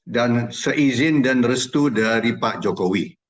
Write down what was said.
dan seizin dan restu dari pak jokowi